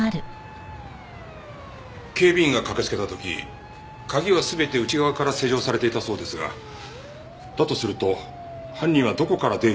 警備員が駆けつけた時鍵は全て内側から施錠されていたそうですがだとすると犯人はどこから出入りしたと思われますか？